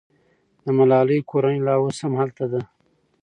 د ملالۍ کورنۍ لا اوس هم هلته ده.